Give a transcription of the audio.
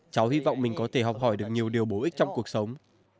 cháu hy vọng mình có thể học hỏi được nhiều điều bổ ích trong cuộc sống